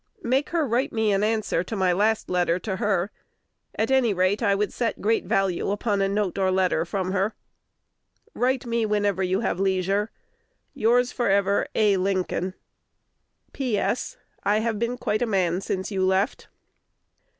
Make her write me an answer to my last letter to her; at any rate, 1 would set great value upon a note or letter from her. Write me whenever you have leisure. Yours forever, A. Lincoln. P. S. I have been quite a man since you left.